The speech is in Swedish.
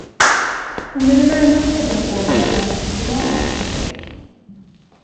Under de närmast följande åren var landet förlamat av skräck.